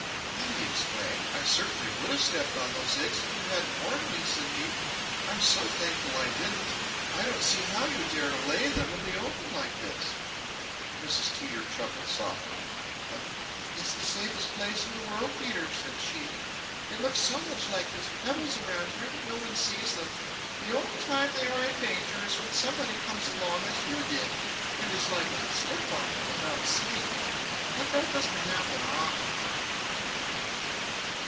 "My!" he exclaimed. "I certainly would have stepped on those eggs if you hadn't warned me," said he. "I'm so thankful I didn't. I don't see how you dare lay them in the open like this." Mrs. Teeter chuckled softly. "It's the safest place in the world, Peter," said she. "They look so much like these pebbles around here that no one sees them. The only time they are in danger is when somebody comes along, as you did, and is likely to step on them without seeing them. But that doesn't happen often."